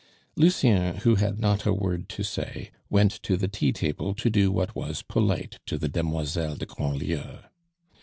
Lucien, who had not a word to say, went to the tea table to do what was polite to the demoiselles de Grandlieu.